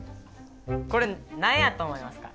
これ何やと思いますか？